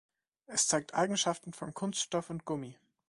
Es zeigt Eigenschaften von Kunststoff und Gummi.